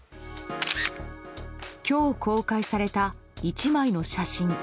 今日公開された１枚の写真。